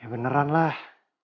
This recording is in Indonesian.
ya beneran lah